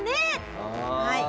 はい。